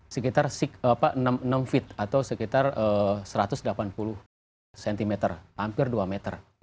sekitar enam feet atau sekitar satu ratus delapan puluh cm hampir dua meter